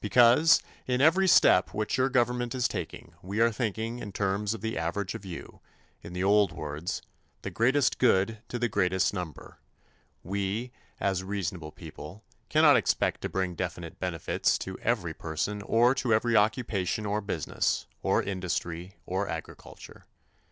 Because, in every step which your government is taking we are thinking in terms of the average of you in the old words, "the greatest good to the greatest number" we, as reasonable people, cannot expect to bring definite benefits to every person or to every occupation or business, or industry or agriculture.